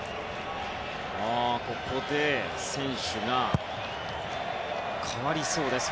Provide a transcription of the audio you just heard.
ここで、選手が代わりそうです。